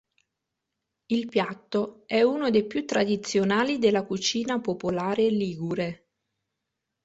Il piatto è uno dei più tradizionali della cucina popolare ligure.